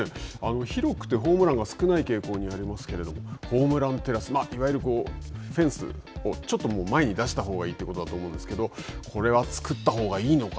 広くてホームランが少ない傾向にありますけども、ホームランテラス、いわゆるフェンスをちょっと前に出したほうがいいということだと思うんですけれども、これはつくったほうがいいのか。